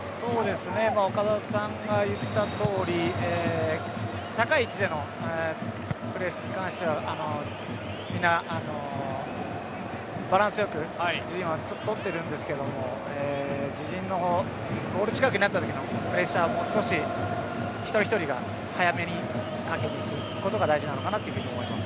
岡田さんが言ったとおり高い位置でのプレスに関してはみんなバランスよくとっているんですが自陣のゴール近くになった時のプレッシャーをもう少し一人ひとりが早めにかけていくことが大事なのかなと思います。